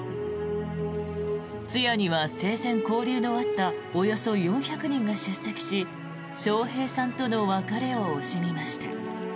通夜には生前、交流のあったおよそ４００人が出席し笑瓶さんとの別れを惜しみました。